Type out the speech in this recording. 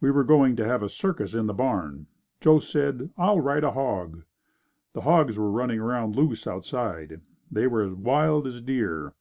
We were going to have a circus in the barn. Joe said, "I'll ride a hog." The hogs were running around loose outside. They were as wild as deer.